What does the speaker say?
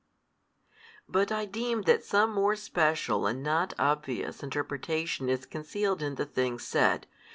But I deem that some more special and not obvious interpretation is concealed in the things said.